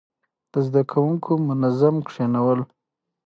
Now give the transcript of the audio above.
د زده کوونکو منظم کښينول،